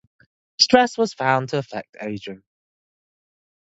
Stress was found to affect aging.